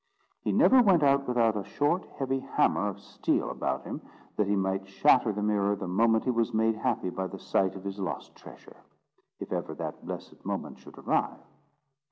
He never went out without a short heavy hammer of steel about him, that he might shatter the mirror the moment he was made happy by the sight of his lost treasure, if ever that blessed moment should arrive.